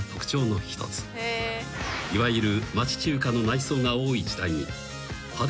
［いわゆる］